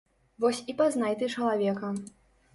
Вось і пазнай ты чалавека.